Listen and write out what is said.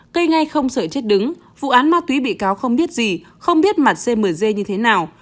cây ngay không sợi chết đứng vụ án ma túy bị cáo không biết gì không biết mặt cmg như thế nào